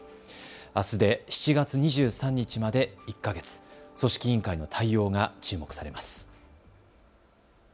あすで７月２３日まで１か月、組織委員会の対応が注目されます。